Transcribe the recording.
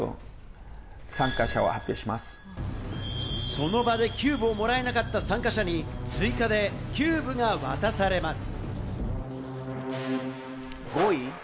その場でキューブをもらえなかった参加者に追加でキューブが渡されます。